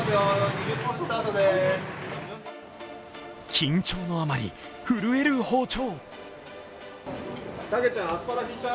緊張のあまり震える包丁。